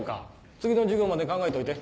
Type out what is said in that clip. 次の授業まで考えといて。